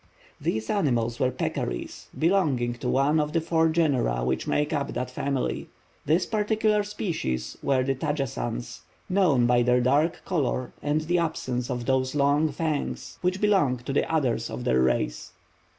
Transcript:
These animals were peccaries, belonging to one of the four genera, which make up that family. This particular species were the "tajassans," known by there dark color and the absence of those long fangs which belong to the others of their race.